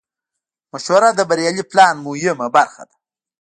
مشوره د بریالي پلان مهمه برخه ده.